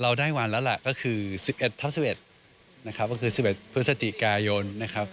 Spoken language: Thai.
เราได้วันแล้วก็คือ๑๑ทับ๑๑นะครับก็คือ๑๑เพื่อสติกายน